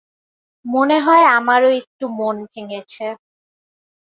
মনে হয় আমারো একটু মন ভেঙেছে।